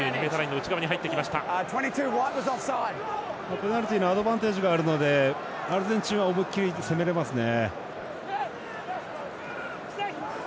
ペナルティのアドバンテージがあるのでアルゼンチンは思い切り攻められますね。